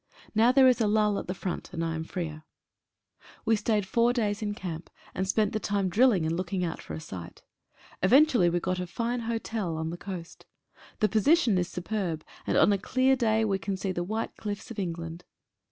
Now there is a lull at the Front, and I am freer. 13 A BASE HOSPITAL. We stayed four days in camp, and spent the time drilling and looking out for a site. Eventually we got a fine hotel on the coast. The position is superb, and on a clear day we see the white cliffs of England.